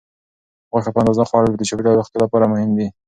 غوښه په اندازه خوړل د چاپیریال او روغتیا لپاره مهم دي.